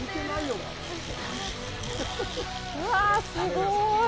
うわあ、すごい。